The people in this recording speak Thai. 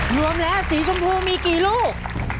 รวมแล้วสีชมพูมีกี่ลูก